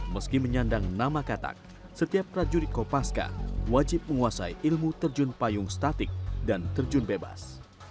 meski menyandang nama katak setiap prajurit kopaska wajib menguasai ilmu terjun payung statik dan terjun bebas